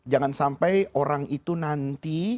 jangan sampai orang itu nanti